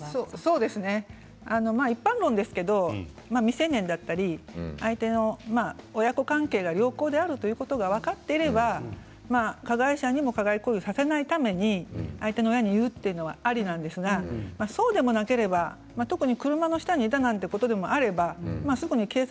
一般論ですが未成年だったり相手の親子関係が良好であるということが分かっていれば加害者にも加害行為をさせないために相手の親に言うというのもありなんですが、そうでなければ特に、車の下にいたということであればすぐに警察。